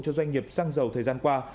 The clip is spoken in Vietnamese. cho doanh nghiệp sang giàu thời gian qua